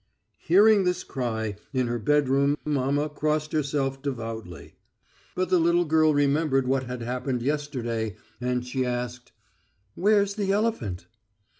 Hearing this cry, in her bedroom mamma crossed herself devoutly. But the little girl remembered what had happened yesterday, and she asked: "Where's the elephant?"